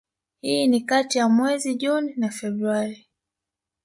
hii ni kati ya mwezi Juni na Februari